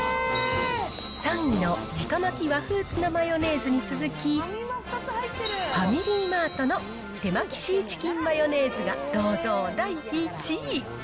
３位の直巻和風ツナマヨネーズに続き、ファミリーマートの手巻シーチキンマヨネーズが堂々第１位。